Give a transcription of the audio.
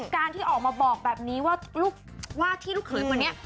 การที่ออกมาบอกแบบนี้ว่าลูกเผินมานี้